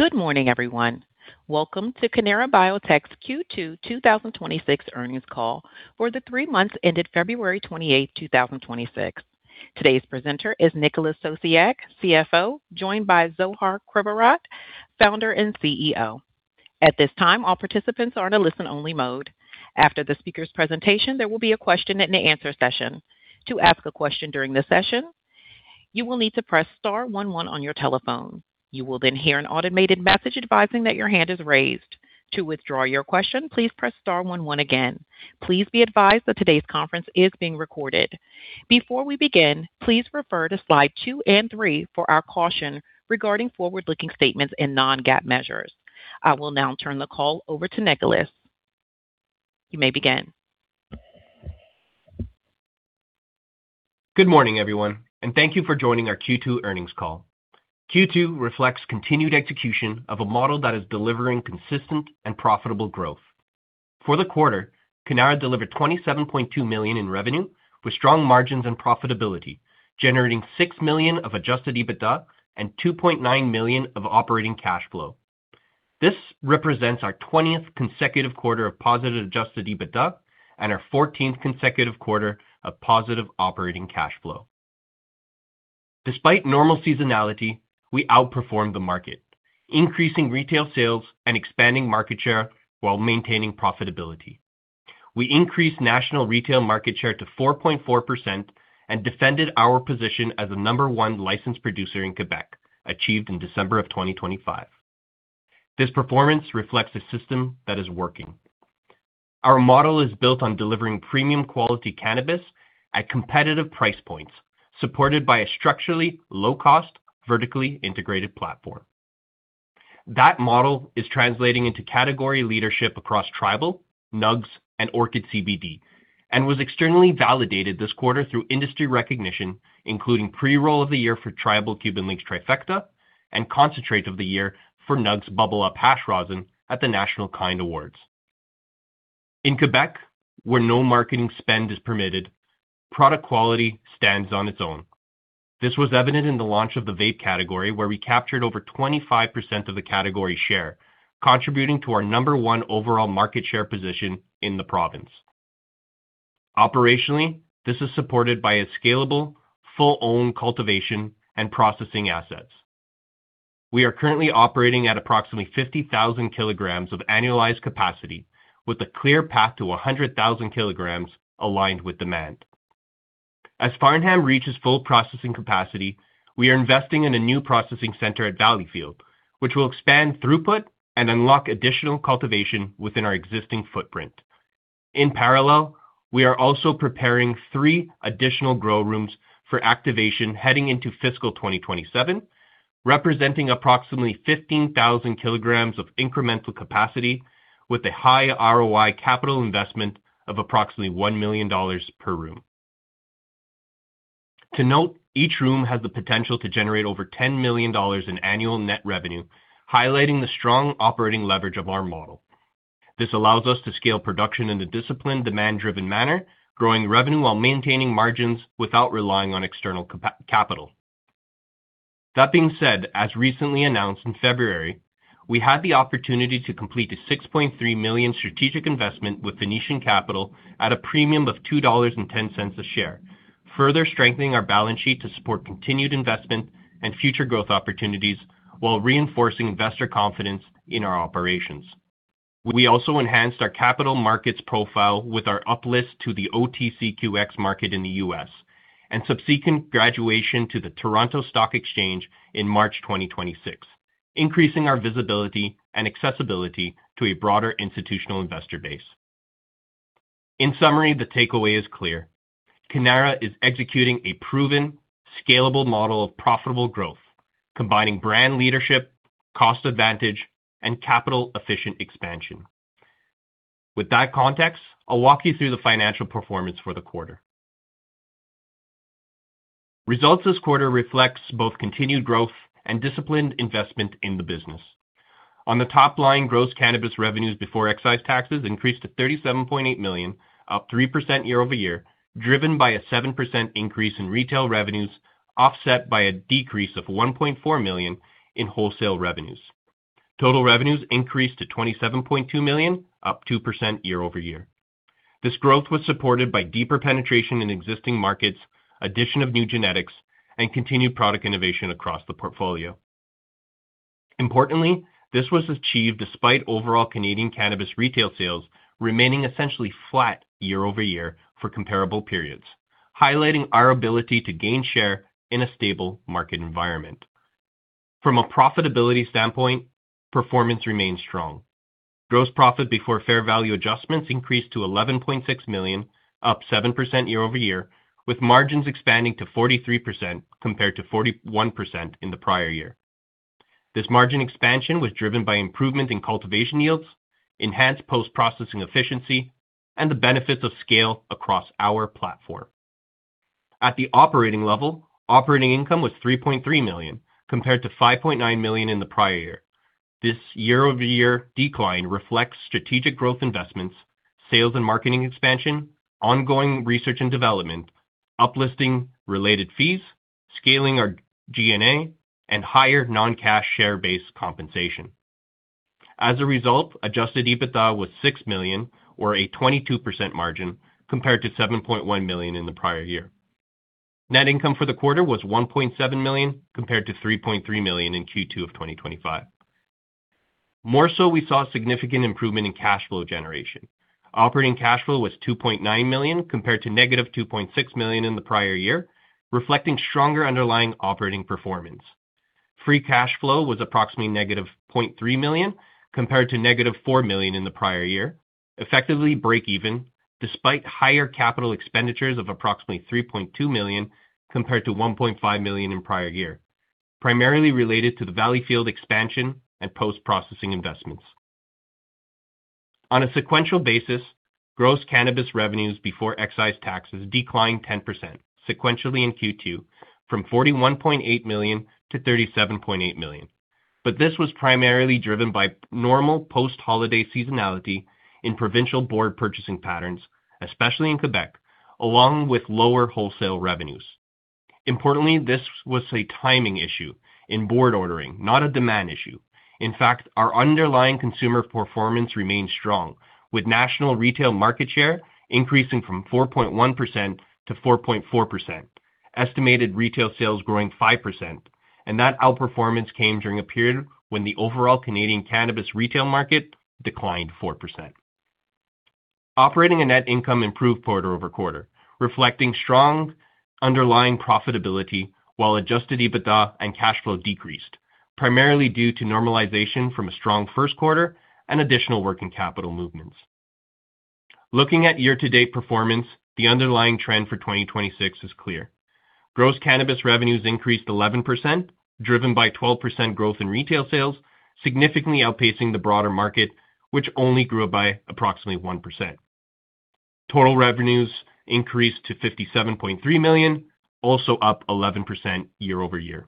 Good morning, everyone. Welcome to Cannara Biotech's Q2 2026 earnings call for the three months ended February 28th, 2026. Today's presenter is Nicholas Sosiak, CFO, joined by Zohar Krivorot, Founder and CEO. At this time, all participants are in a listen-only mode. After the speaker's presentation, there will be a question and answer session. To ask a question during the session, you will need to press star one one on your telephone. You will then hear an automated message advising that your hand is raised. To withdraw your question, please press star one one again. Please be advised that today's conference is being recorded. Before we begin, please refer to slide two and three for our caution regarding forward-looking statements and non-GAAP measures. I will now turn the call over to Nicholas. You may begin. Good morning, everyone, and thank you for joining our Q2 earnings call. Q2 reflects continued execution of a model that is delivering consistent and profitable growth. For the quarter, Cannara delivered 27.2 million in revenue with strong margins and profitability, generating 6 million of adjusted EBITDA and 2.9 million of operating cash flow. This represents our 20th consecutive quarter of positive adjusted EBITDA and our 14th consecutive quarter of positive operating cash flow. Despite normal seasonality, we outperformed the market, increasing retail sales and expanding market share while maintaining profitability. We increased national retail market share to 4.4% and defended our position as the number one licensed producer in Quebec, achieved in December of 2025. This performance reflects a system that is working. Our model is built on delivering premium-quality cannabis at competitive price points, supported by a structurally low-cost, vertically integrated platform. That model is translating into category leadership across Tribal, Nugz, and Orchid CBD and was externally validated this quarter through industry recognition, including Pre-Roll of the Year for Tribal Cuban Linx Trifecta and Concentrate of the Year for Nugz Bubble Up Hash Rosin at the National Kind Awards. In Quebec, where no marketing spend is permitted, product quality stands on its own. This was evident in the launch of the vape category, where we captured over 25% of the category share, contributing to our number one overall market share position in the province. Operationally, this is supported by a scalable, fully owned cultivation and processing assets. We are currently operating at approximately 50,000 kilograms of annualized capacity with a clear path to 100,000 kilograms aligned with demand. As Farnham reaches full processing capacity, we are investing in a new processing center at Valleyfield, which will expand throughput and unlock additional cultivation within our existing footprint. In parallel, we are also preparing three additional grow rooms for activation heading into fiscal 2027, representing approximately 15,000 kg of incremental capacity with a high ROI capital investment of approximately 1 million dollars per room. To note, each room has the potential to generate over 10 million dollars in annual net revenue, highlighting the strong operating leverage of our model. This allows us to scale production in a disciplined, demand-driven manner, growing revenue while maintaining margins without relying on external capital. That being said, as recently announced in February, we had the opportunity to complete a 6.3 million strategic investment with Ventum Capital at a premium of 2.10 dollars a share, further strengthening our balance sheet to support continued investment and future growth opportunities while reinforcing investor confidence in our operations. We also enhanced our capital markets profile with our up-list to the OTCQX market in the U.S. and subsequent graduation to the Toronto Stock Exchange in March 2026, increasing our visibility and accessibility to a broader institutional investor base. In summary, the takeaway is clear. Cannara is executing a proven, scalable model of profitable growth, combining brand leadership, cost advantage, and capital-efficient expansion. With that context, I'll walk you through the financial performance for the quarter. Results this quarter reflects both continued growth and disciplined investment in the business. On the top line, gross cannabis revenues before excise taxes increased to 37.8 million, up 3% year-over-year, driven by a 7% increase in retail revenues, offset by a decrease of 1.4 million in wholesale revenues. Total revenues increased to 27.2 million, up 2% year-over-year. This growth was supported by deeper penetration in existing markets, addition of new genetics, and continued product innovation across the portfolio. Importantly, this was achieved despite overall Canadian cannabis retail sales remaining essentially flat year-over-year for comparable periods, highlighting our ability to gain share in a stable market environment. From a profitability standpoint, performance remained strong. Gross profit before fair value adjustments increased to 11.6 million, up 7% year-over-year, with margins expanding to 43% compared to 41% in the prior year. This margin expansion was driven by improvement in cultivation yields, enhanced post-processing efficiency, and the benefits of scale across our platform. At the operating level, operating income was 3.3 million, compared to 5.9 million in the prior year. This year-over-year decline reflects strategic growth investments, sales and marketing expansion, ongoing research and development, uplisting-related fees, scaling our G&A, and higher non-cash share-based compensation. As a result, adjusted EBITDA was 6 million, or a 22% margin, compared to 7.1 million in the prior year. Net income for the quarter was 1.7 million, compared to 3.3 million in Q2 of 2025. More so, we saw significant improvement in cash flow generation. Operating cash flow was 2.9 million compared to -2.6 million in the prior year, reflecting stronger underlying operating performance. Free cash flow was approximately -0.3 million, compared to -four million in the prior year, effectively break even, despite higher capital expenditures of approximately 3.2 million compared to 1.5 million in prior year, primarily related to the Valleyfield expansion and post-processing investments. On a sequential basis, gross cannabis revenues before excise taxes declined 10% sequentially in Q2 from 41.8 million-37.8 million. This was primarily driven by normal post-holiday seasonality in provincial board purchasing patterns, especially in Quebec, along with lower wholesale revenues. Importantly, this was a timing issue in board ordering, not a demand issue. In fact, our underlying consumer performance remains strong, with national retail market share increasing from 4.1%-4.4%, estimated retail sales growing 5%, and that outperformance came during a period when the overall Canadian cannabis retail market declined 4%. Operating and net income improved quarter-over-quarter, reflecting strong underlying profitability while adjusted EBITDA and cash flow decreased, primarily due to normalization from a strong first quarter and additional working capital movements. Looking at year-to-date performance, the underlying trend for 2026 is clear. Gross cannabis revenues increased 11%, driven by 12% growth in retail sales, significantly outpacing the broader market, which only grew by approximately 1%. Total revenues increased to 57.3 million, also up 11% year-over-year.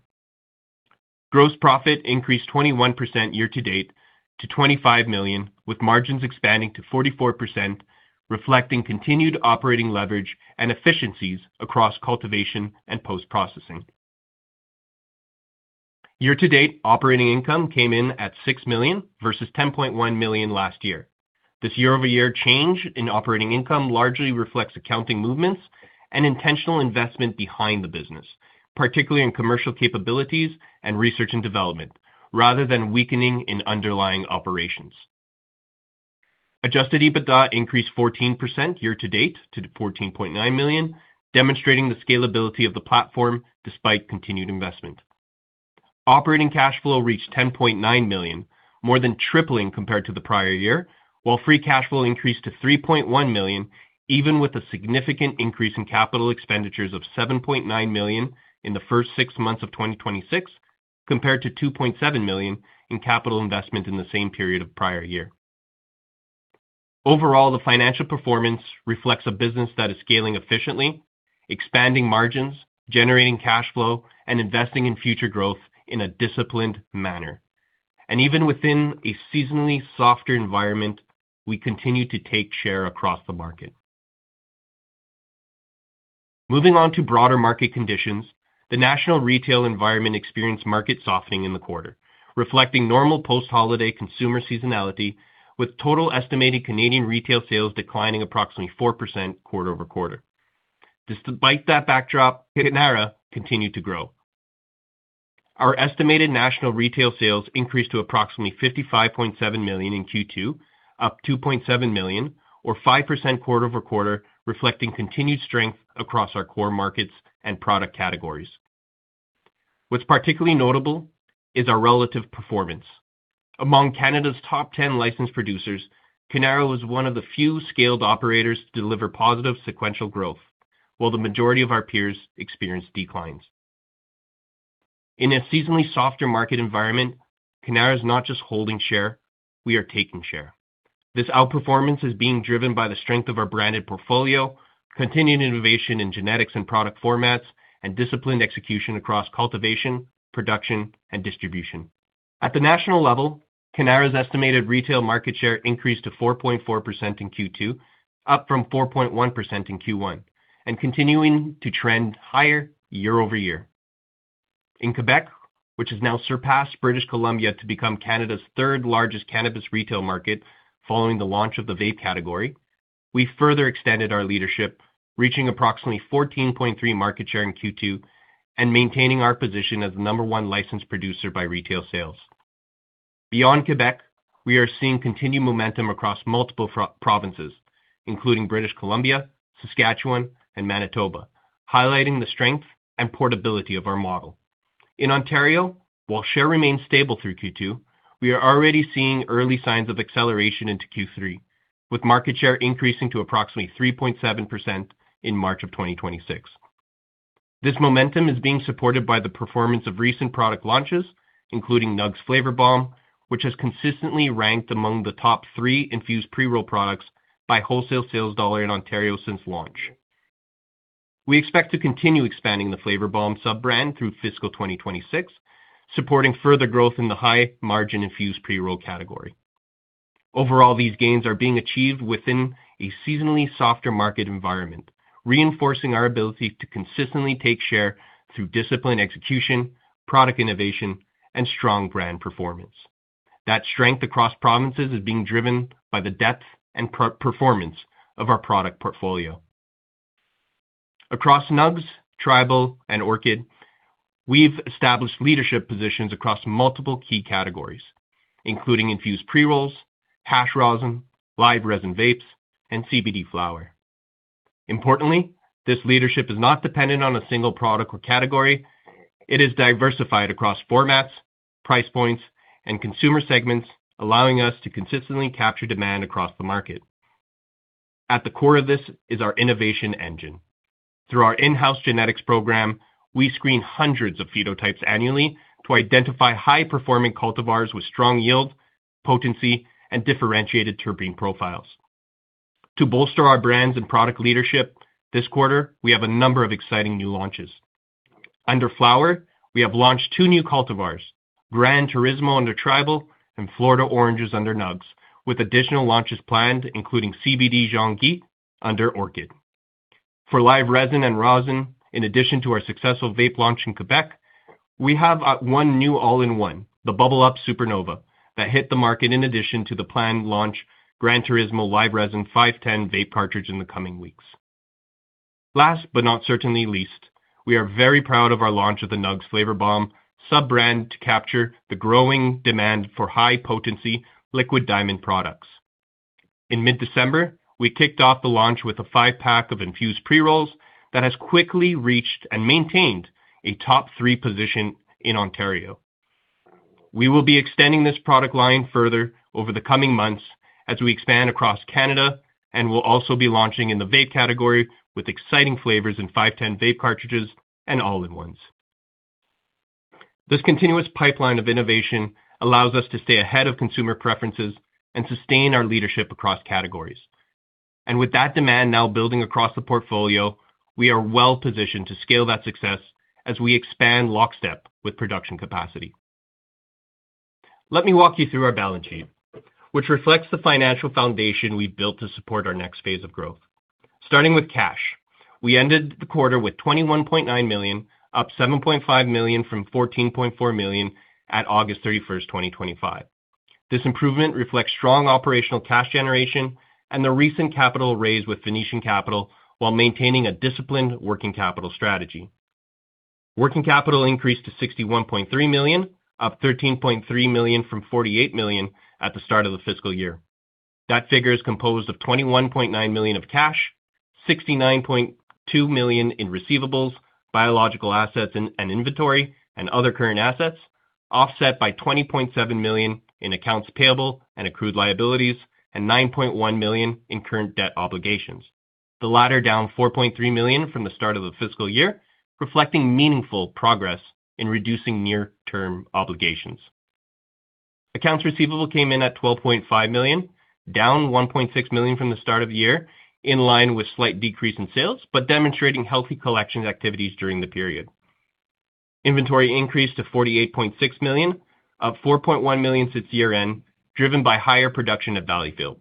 Gross profit increased 21% year-to-date to 25 million, with margins expanding to 44%, reflecting continued operating leverage and efficiencies across cultivation and post-processing. Year-to-date, operating income came in at 6 million versus 10.1 million last year. This year-over-year change in operating income largely reflects accounting movements and intentional investment behind the business, particularly in commercial capabilities and research and development, rather than weakening in underlying operations. Adjusted EBITDA increased 14% year-to-date to 14.9 million, demonstrating the scalability of the platform despite continued investment. Operating Cash Flow reached 10.9 million, more than tripling compared to the prior year, while Free Cash Flow increased to 3.1 million, even with a significant increase in Capital Expenditures of 7.9 million in the first six months of 2026, compared to 2.7 million in Capital Investment in the same period of prior year. Overall, the financial performance reflects a business that is scaling efficiently, expanding margins, generating Cash Flow, and investing in future growth in a disciplined manner. Even within a seasonally softer environment, we continue to take share across the market. Moving on to broader market conditions, the national retail environment experienced market softening in the quarter, reflecting normal post-holiday consumer seasonality, with total estimated Canadian retail sales declining approximately 4% quarter-over-quarter. Despite that backdrop, Cannara continued to grow. Our estimated national retail sales increased to approximately 55.7 million in Q2, up 2.7 million or 5% quarter-over-quarter, reflecting continued strength across our core markets and product categories. What's particularly notable is our relative performance. Among Canada's top 10 licensed producers, Cannara was one of the few scaled operators to deliver positive sequential growth, while the majority of our peers experienced declines. In a seasonally softer market environment, Cannara is not just holding share, we are taking share. This outperformance is being driven by the strength of our branded portfolio, continued innovation in genetics and product formats, and disciplined execution across cultivation, production, and distribution. At the national level, Cannara's estimated retail market share increased to 4.4% in Q2, up from 4.1% in Q1, and continuing to trend higher year-over-year. In Quebec, which has now surpassed British Columbia to become Canada's third-largest cannabis retail market following the launch of the vape category, we further extended our leadership, reaching approximately 14.3% market share in Q2 and maintaining our position as the number one licensed producer by retail sales. Beyond Quebec, we are seeing continued momentum across multiple provinces, including British Columbia, Saskatchewan, and Manitoba, highlighting the strength and portability of our model. In Ontario, while share remained stable through Q2, we are already seeing early signs of acceleration into Q3, with market share increasing to approximately 3.7% in March of 2026. This momentum is being supported by the performance of recent product launches, including Nugz Flavor Bomb, which has consistently ranked among the top three infused pre-roll products by wholesale sales dollar in Ontario since launch. We expect to continue expanding the Flavor Bomb sub-brand through fiscal 2026, supporting further growth in the high-margin infused pre-roll category. Overall, these gains are being achieved within a seasonally softer market environment, reinforcing our ability to consistently take share through disciplined execution, product innovation, and strong brand performance. That strength across provinces is being driven by the depth and performance of our product portfolio. Across Nugz, Tribal, and Orchid, we've established leadership positions across multiple key categories, including infused pre-rolls, hash rosin, live resin vapes, and CBD flower. Importantly, this leadership is not dependent on a single product or category. It is diversified across formats, price points, and consumer segments, allowing us to consistently capture demand across the market. At the core of this is our innovation engine. Through our in-house genetics program, we screen hundreds of phenotypes annually to identify high-performing cultivars with strong yield, potency, and differentiated terpene profiles. To bolster our brands and product leadership, this quarter, we have a number of exciting new launches. Under flower, we have launched two new cultivars, Gran Turismo under Tribal and Florida Oranges under Nugz, with additional launches planned, including CBD Jean Guy under Orchid. For live resin and rosin, in addition to our successful vape launch in Quebec, we have one new all-in-one, the Bubble Up Supernova, that hit the market in addition to the planned launch Gran Turismo live resin 510 vape cartridge in the coming weeks. Last but not certainly least, we are very proud of our launch of the Nugz Flavor Bomb sub-brand to capture the growing demand for high-potency Liquid Diamonds products. In mid-December, we kicked off the launch with a five-pack of infused pre-rolls that has quickly reached and maintained a top three position in Ontario. We will be extending this product line further over the coming months as we expand across Canada and will also be launching in the vape category with exciting flavors in 510 vape cartridges and all-in-ones. This continuous pipeline of innovation allows us to stay ahead of consumer preferences and sustain our leadership across categories. With that demand now building across the portfolio, we are well-positioned to scale that success as we expand lockstep with production capacity. Let me walk you through our balance sheet, which reflects the financial foundation we've built to support our next phase of growth. Starting with cash, we ended the quarter with 21.9 million, up 7.5 million from 14.4 million at August 31st, 2025. This improvement reflects strong operational cash generation and the recent capital raise with Ventum Capital while maintaining a disciplined working capital strategy. Working capital increased to 61.3 million, up 13.3 million from 48 million at the start of the fiscal year. That figure is composed of 21.9 million of cash, 69.2 million in receivables, biological assets and inventory, and other current assets, offset by 20.7 million in accounts payable and accrued liabilities, and 9.1 million in current debt obligations, the latter down 4.3 million from the start of the fiscal year, reflecting meaningful progress in reducing near-term obligations. Accounts receivable came in at 12.5 million, down 1.6 million from the start of the year, in line with slight decrease in sales, but demonstrating healthy collection activities during the period. Inventory increased to 48.6 million, up 4.1 million since year-end, driven by higher production at Valleyfield.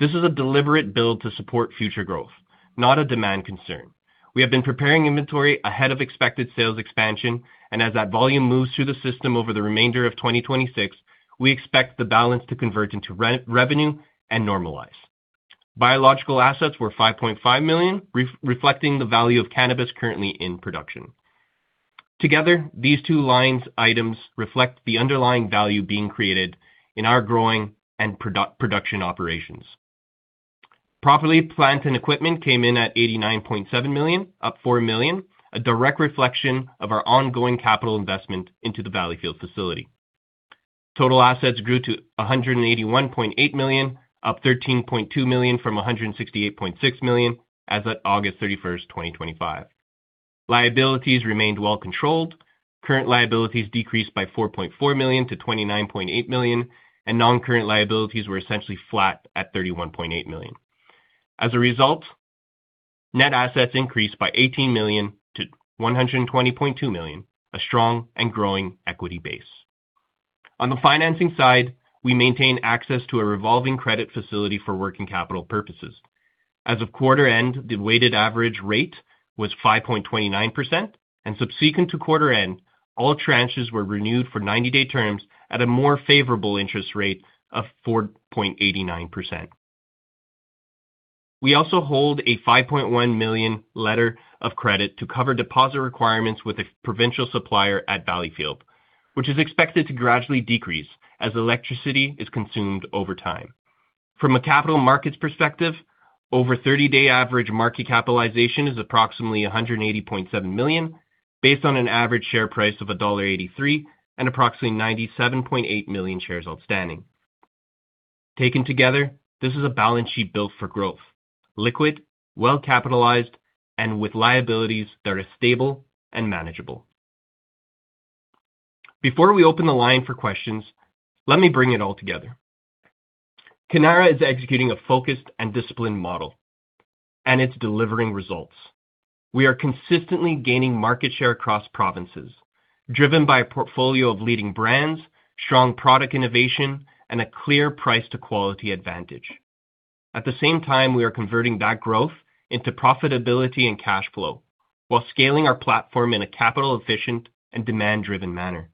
This is a deliberate build to support future growth, not a demand concern. We have been preparing inventory ahead of expected sales expansion, and as that volume moves through the system over the remainder of 2026, we expect the balance to convert into revenue and normalize. Biological assets were 5.5 million, reflecting the value of cannabis currently in production. Together, these two line items reflect the underlying value being created in our growing and production operations. Property, plant, and equipment came in at 89.7 million, up 4 million, a direct reflection of our ongoing capital investment into the Valleyfield facility. Total assets grew to 181.8 million, up 13.2 million from 168.6 million as at August 31st, 2025. Liabilities remained well-controlled. Current liabilities decreased by 4.4 million to 29.8 million, and non-current liabilities were essentially flat at 31.8 million. As a result, net assets increased by 18 million to 120.2 million, a strong and growing equity base. On the financing side, we maintain access to a revolving credit facility for working capital purposes. As of quarter end, the weighted average rate was 5.29%, and subsequent to quarter end, all tranches were renewed for 90-day terms at a more favorable interest rate of 4.89%. We also hold a 5.1 million letter of credit to cover deposit requirements with a provincial supplier at Valleyfield, which is expected to gradually decrease as electricity is consumed over time. From a capital markets perspective, over 30-day average market capitalization is approximately 180.7 million, based on an average share price of dollar 1.83 and approximately 97.8 million shares outstanding. Taken together, this is a balance sheet built for growth, liquid, well-capitalized, and with liabilities that are stable and manageable. Before we open the line for questions, let me bring it all together. Cannara is executing a focused and disciplined model. It's delivering results. We are consistently gaining market share across provinces, driven by a portfolio of leading brands, strong product innovation, and a clear price to quality advantage. At the same time, we are converting that growth into profitability and cash flow while scaling our platform in a capital efficient and demand-driven manner.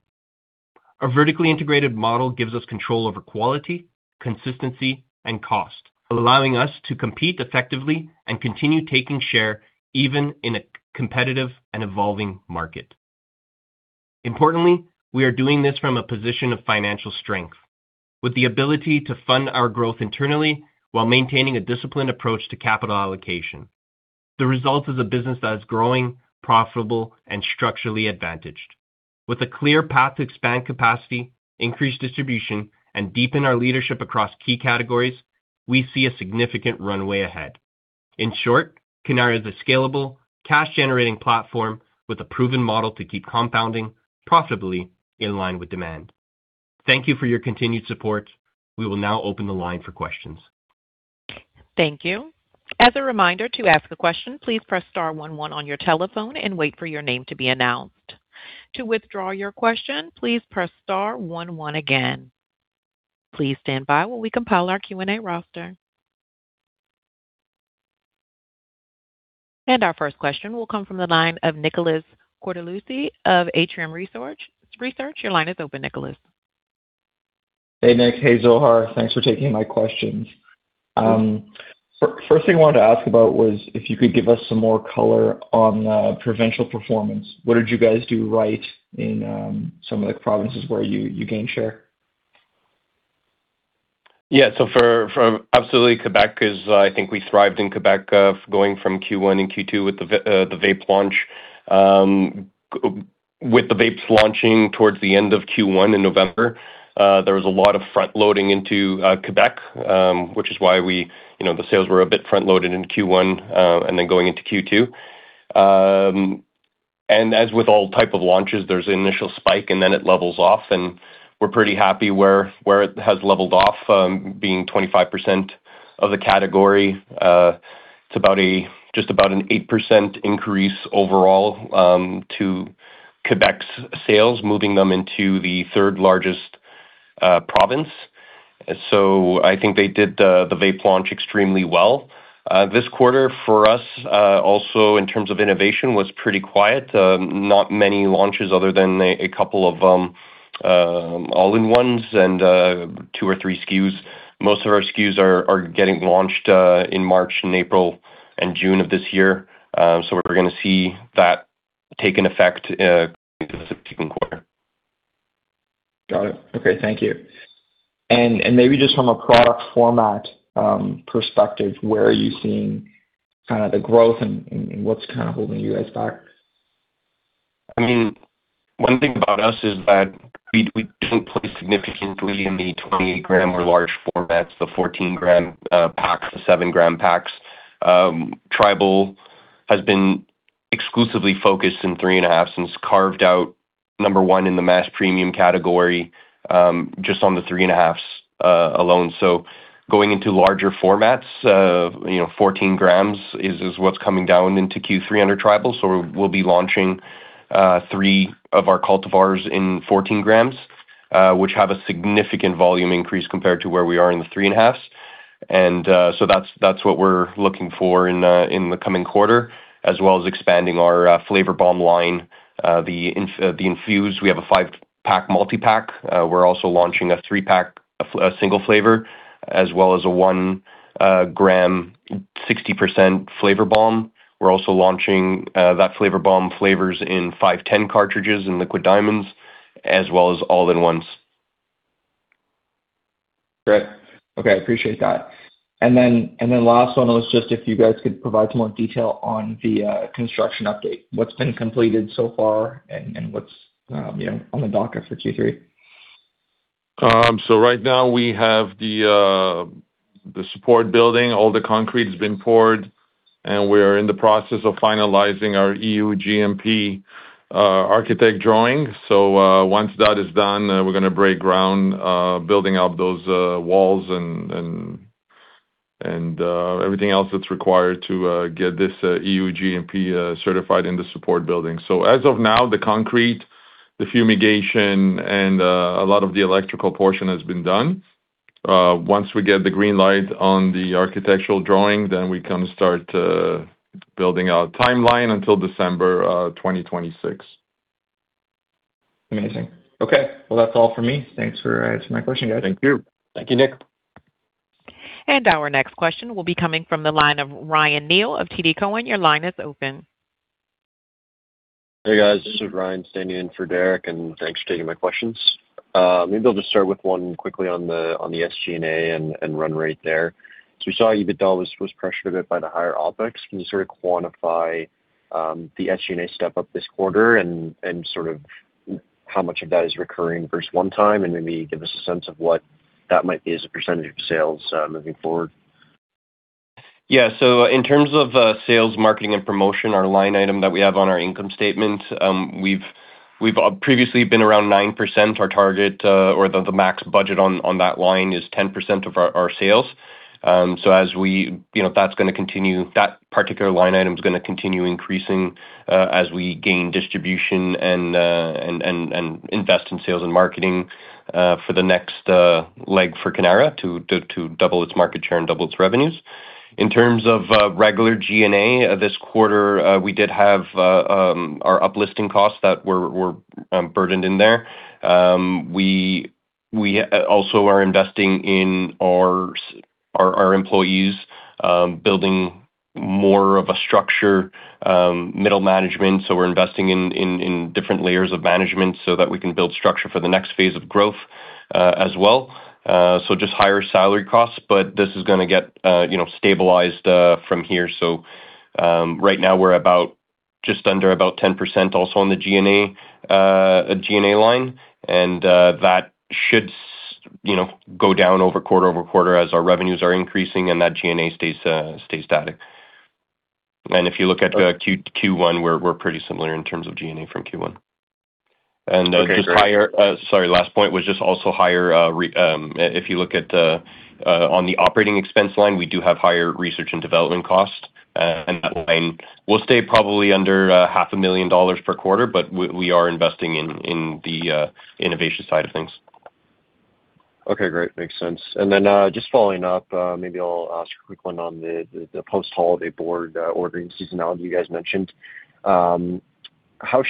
Our vertically integrated model gives us control over quality, consistency, and cost, allowing us to compete effectively and continue taking share even in a competitive and evolving market. Importantly, we are doing this from a position of financial strength with the ability to fund our growth internally while maintaining a disciplined approach to capital allocation. The result is a business that is growing, profitable, and structurally advantaged. With a clear path to expand capacity, increase distribution, and deepen our leadership across key categories, we see a significant runway ahead. In short, Cannara is a scalable, cash-generating platform with a proven model to keep compounding profitably in line with demand. Thank you for your continued support. We will now open the line for questions. Thank you. As a reminder, to ask a question, please press star one one on your telephone and wait for your name to be announced. To withdraw your question, please press star one one again. Please stand by while we compile our Q&A roster. Our first question will come from the line of Nicholas Cortellucci of Atrium Research. Your line is open, Nicholas. Hey, Nick. Hey, Zohar. Thanks for taking my questions. First thing I wanted to ask about was if you could give us some more color on provincial performance. What did you guys do right in some of the provinces where you gained share? Yeah. Absolutely. I think we thrived in Quebec going from Q1 and Q2 with the vape launch. With the vapes launching towards the end of Q1 in November, there was a lot of front-loading into Quebec, which is why the sales were a bit front-loaded in Q1, and then going into Q2. As with all type of launches, there's the initial spike, and then it levels off, and we're pretty happy where it has leveled off, being 25% of the category. It's about just about an 8% increase overall, to Quebec's sales, moving them into the third largest province. I think they did the vape launch extremely well. This quarter for us, also in terms of innovation, was pretty quiet. Not many launches other than a couple of all-in-ones and two or three SKUs. Most of our SKUs are getting launched in March and April and June of this year. We're going to see that take effect in the quarter. Got it. Okay. Thank you. Maybe just from a product format perspective, where are you seeing the growth and what's holding you guys back? One thing about us is that we didn't play significantly in the 28 gram or large formats, the 14 gram packs, the seven gram packs. Tribal has been exclusively focused in 3.5 and it's carved out number one in the mass premium category, just on the 3.5s alone. Going into larger formats, 14 grams is what's coming down into Q3 under Tribal. We'll be launching three of our cultivars in 14 grams, which have a significant volume increase compared to where we are in the 3.5s. That's what we're looking for in the coming quarter, as well as expanding our Flavor Bomb line. The infused, we have a five-pack multi-pack. We're also launching a three-pack, a single flavor, as well as a one gram, 60% Flavor Bomb. We're also launching that Flavor Bomb flavors in 510 cartridges in Liquid Diamonds, as well as all-in-ones. Great. Okay, I appreciate that. Last one was just if you guys could provide some more detail on the construction update. What's been completed so far and what's on the docket for Q3? Right now we have the support building. All the concrete has been poured, and we are in the process of finalizing our EU GMP architect drawing. Once that is done, we're going to break ground, building out those walls and everything else that's required to get this EU GMP certified in the support building. As of now, the concrete, the fumigation, and a lot of the electrical portion has been done. Once we get the green light on the architectural drawing, then we can start building out timeline until December 2026. Amazing. Okay. Well, that's all for me. Thanks for answering my question, guys. Thank you. Thank you, Nick. Our next question will be coming from the line of Ryan Neal of TD Cowen. Your line is open. Hey, guys. This is Ryan standing in for Derek, and thanks for taking my questions. Maybe I'll just start with one quickly on the SG&A and run rate there. We saw EBITDA was pressured a bit by the higher OpEx. Can you quantify the SG&A step up this quarter and how much of that is recurring versus one-time, and maybe give us a sense of what that might be as a % of sales moving forward? Yeah. In terms of sales, marketing, and promotion, our line item that we have on our income statement, we've previously been around 9%. Our target or the max budget on that line is 10% of our sales. That particular line item is going to continue increasing as we gain distribution and invest in sales and marketing for the next leg for Cannara to double its market share and double its revenues. In terms of regular G&A, this quarter, we did have our uplisting costs that were burdened in there. We also are investing in our employees, building more of a structure, middle management. We're investing in different layers of management so that we can build structure for the next phase of growth as well. Just higher salary costs, but this is going to get stabilized from here. So right now, we're about just under about 10% also on the G&A line. And that should go down quarter over quarter as our revenues are increasing, and that G&A stays static. And if you look at Q1, we're pretty similar in terms of G&A from Q1. Okay, great. Last point was just also higher. If you look on the operating expense line, we do have higher research and development costs, and that line will stay probably under half a million dollars per quarter, but we are investing in the innovation side of things. Okay, great. Makes sense. Just following up, maybe I'll ask a quick one on the post-holiday board ordering seasonality you guys mentioned. How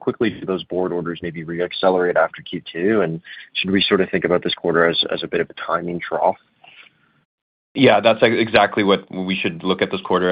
quickly do those board orders maybe re-accelerate after Q2? Should we think about this quarter as a bit of a timing trough? Yeah, that's exactly what we should look at this quarter.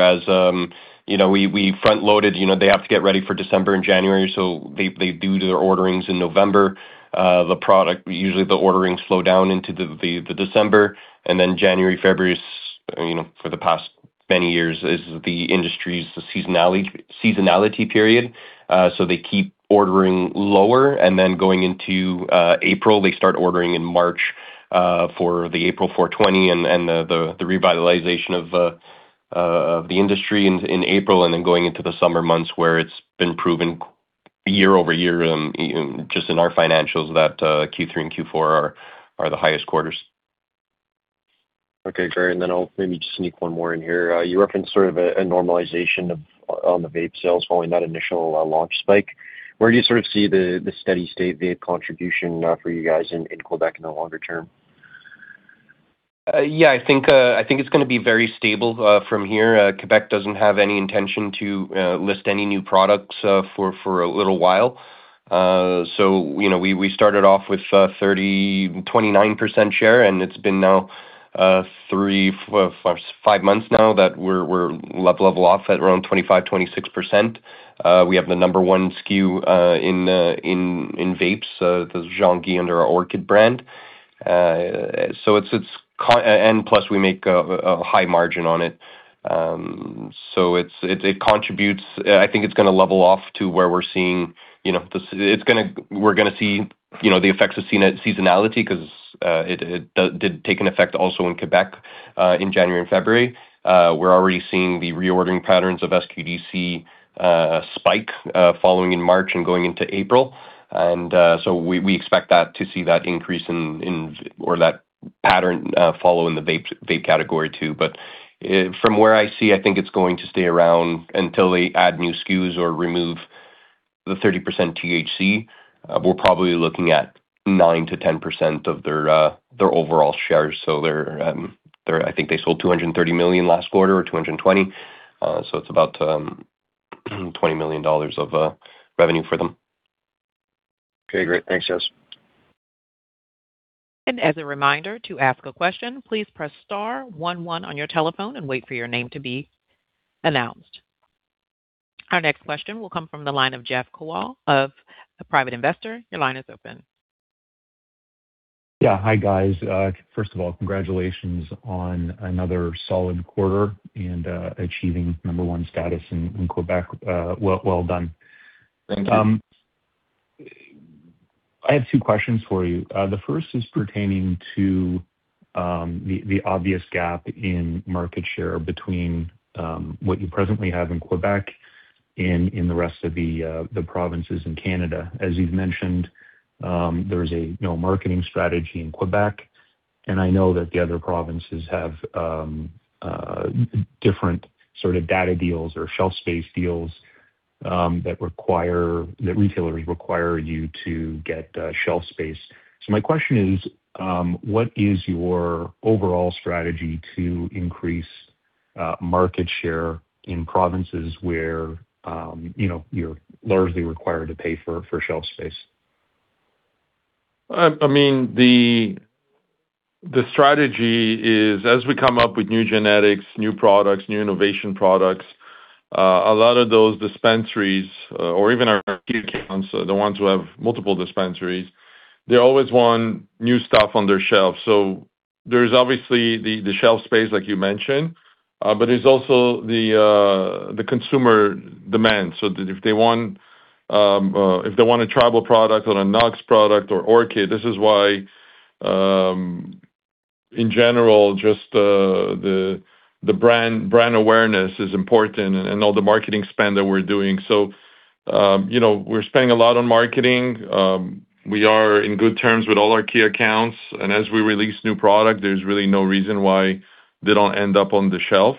We front-loaded. They have to get ready for December and January, so they do their orderings in November. The product, usually the ordering slow down into the December, and then January, February is, for the past many years, the industry's seasonality period. They keep ordering lower, and then going into April, they start ordering in March for the April 4/20 and the revitalization of the industry in April, and then going into the summer months, where it's been proven year-over-year just in our financials that Q3 and Q4 are the highest quarters. Okay, great. I'll maybe just sneak one more in here. You referenced sort of a normalization on the vape sales following that initial launch spike. Where do you sort of see the steady state vape contribution for you guys in Quebec in the longer term? Yeah, I think it's going to be very stable from here. Quebec doesn't have any intention to list any new products for a little while. We started off with 29% share, and it's been now three, five months now that we're level off at around 25%-26%. We have the number one SKU in vapes, the Jean Guy under our Orchid brand. Plus we make a high margin on it. It contributes. I think it's going to level off to where we're seeing the effects of seasonality because it did take an effect also in Quebec, in January and February. We're already seeing the reordering patterns of SQDC spike following in March and going into April. We expect to see that increase or that pattern follow in the vape category, too. From where I see, I think it's going to stay around until they add new SKUs or remove the 30% THC. We're probably looking at 9%-10% of their overall shares. I think they sold 230 million last quarter or 220. It's about 20 million dollars of revenue for them. Okay, great. Thanks, Jess. And as a reminder, to ask a question, please press star one one on your telephone and wait for your name to be announced. Our next question will come from the line of Jeff Kowal of The Private Investor. Your line is open. Yeah. Hi, guys. First of all, congratulations on another solid quarter and achieving number one status in Quebec. Well done. Thank you. I have two questions for you. The first is pertaining to the obvious gap in market share between what you presently have in Quebec and in the rest of the provinces in Canada. As you've mentioned, there's a marketing strategy in Quebec, and I know that the other provinces have different sort of data deals or shelf space deals that retailers require you to get shelf space. My question is, what is your overall strategy to increase market share in provinces where you're largely required to pay for shelf space? The strategy is as we come up with new genetics, new products, new innovation products, a lot of those dispensaries or even our account, the ones who have multiple dispensaries, they always want new stuff on their shelves. There's obviously the shelf space, like you mentioned, but there's also the consumer demand. If they want a Tribal product or a Nugz product or Orchid, this is why. In general, just the brand awareness is important and all the marketing spend that we're doing. We're spending a lot on marketing. We are in good terms with all our key accounts. As we release new product, there's really no reason why they don't end up on the shelf.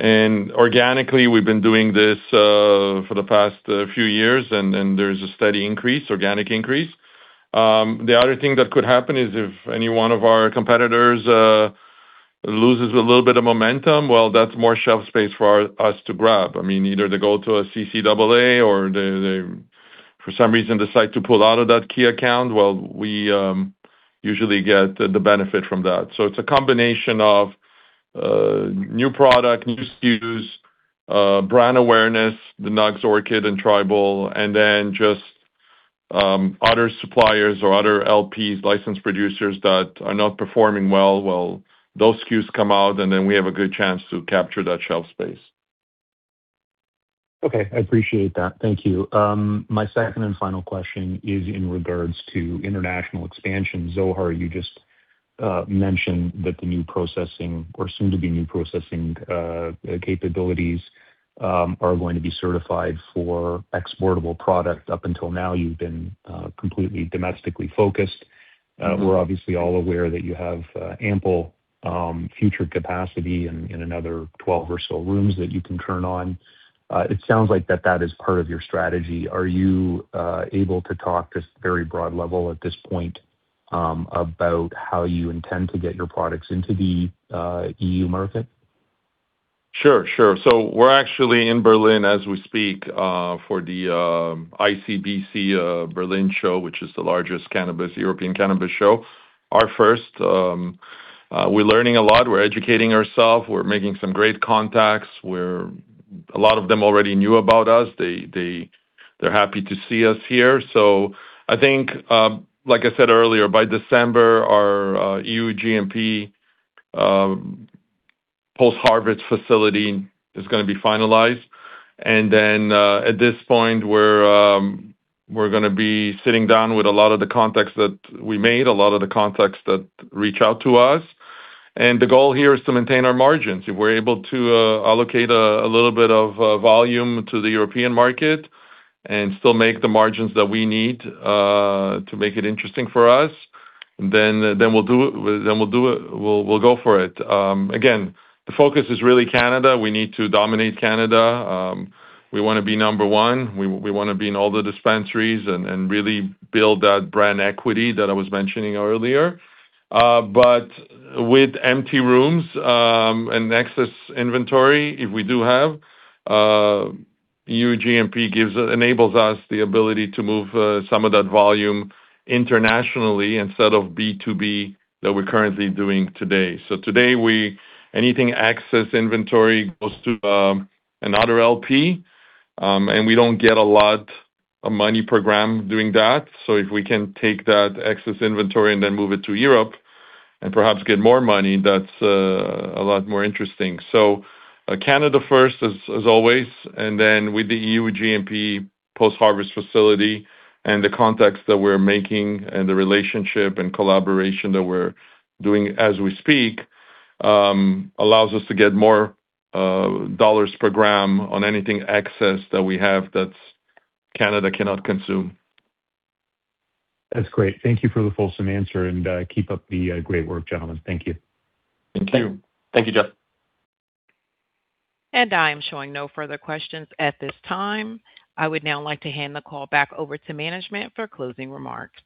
Organically, we've been doing this for the past few years, and there's a steady increase, organic increase. The other thing that could happen is if any one of our competitors loses a little bit of momentum, well, that's more shelf space for us to grab. Either they go to a CCAA, or they, for some reason, decide to pull out of that key account. Well, we usually get the benefit from that. It's a combination of new product, new SKUs, brand awareness, the Nugz, Orchid, and Tribal, and then just other suppliers or other LPs, licensed producers, that are not performing well. Well, those SKUs come out, and then we have a good chance to capture that shelf space. I appreciate that. Thank you. My second and final question is in regards to international expansion. Zohar, you just mentioned that the new processing or soon-to-be-new processing capabilities are going to be certified for exportable product. Up until now, you've been completely domestically focused. We're obviously all aware that you have ample future capacity in another 12 or so rooms that you can turn on. It sounds like that is part of your strategy. Are you able to talk, just very broad level at this point, about how you intend to get your products into the EU market? Sure. We're actually in Berlin as we speak for the ICBC Berlin show, which is the largest European cannabis show, our first. We're learning a lot. We're educating ourselves. We're making some great contacts, where a lot of them already knew about us. They're happy to see us here. I think, like I said earlier, by December, our EU GMP post-harvest facility is going to be finalized. At this point, we're going to be sitting down with a lot of the contacts that we made, a lot of the contacts that reach out to us. The goal here is to maintain our margins. If we're able to allocate a little bit of volume to the European market and still make the margins that we need to make it interesting for us, then we'll go for it. Again, the focus is really Canada. We need to dominate Canada. We want to be number one. We want to be in all the dispensaries and really build that brand equity that I was mentioning earlier. With empty rooms, and excess inventory, if we do have, EU GMP enables us the ability to move some of that volume internationally instead of B2B that we're currently doing today. Today, anything excess inventory goes to another LP, and we don't get a lot of money per gram doing that. If we can take that excess inventory and then move it to Europe and perhaps get more money, that's a lot more interesting. Canada first as always, and then with the EU GMP post-harvest facility and the contacts that we're making and the relationship and collaboration that we're doing as we speak allows us to get more dollars per gram on anything excess that we have that Canada cannot consume. That's great. Thank you for the fulsome answer. Keep up the great work, gentlemen. Thank you. Thank you. Thank you, Jeff. I am showing no further questions at this time. I would now like to hand the call back over to management for closing remarks.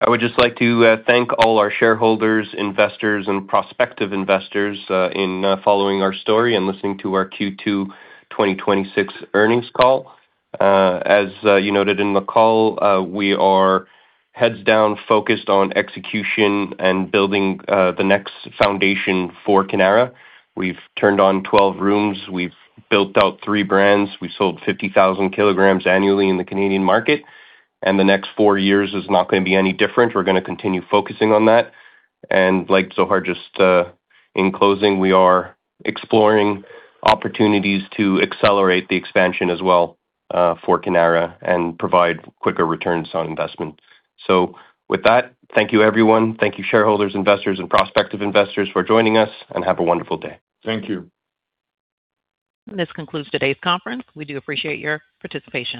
I would just like to thank all our shareholders, investors, and prospective investors in following our story and listening to our Q2 2026 earnings call. As you noted in the call, we are heads-down focused on execution and building the next foundation for Cannara. We've turned on 12 rooms. We've built out three brands. We've sold 50,000 kilograms annually in the Canadian market, and the next four years is not going to be any different. We're going to continue focusing on that. In closing, we are exploring opportunities to accelerate the expansion as well for Cannara and provide quicker returns on investment. With that, thank you, everyone. Thank you shareholders, investors, and prospective investors for joining us, and have a wonderful day. Thank you. This concludes today's conference. We do appreciate your participation.